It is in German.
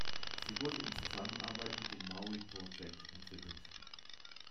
Sie wurde in Zusammenarbeit mit dem Maui Project entwickelt.